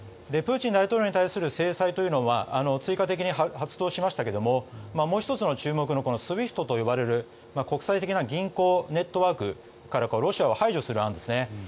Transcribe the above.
プーチン大統領に対する制裁というのは追加的に発動しましたけどももう１つの注目のＳＷＩＦＴと呼ばれる国際的な銀行ネットワークからロシアを排除する案ですね。